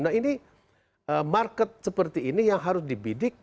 nah ini market seperti ini yang harus dibidik